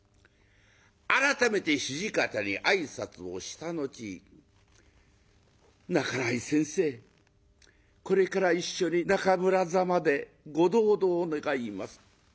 改めて土方に挨拶をした後「半井先生これから一緒に中村座までご同道願います」。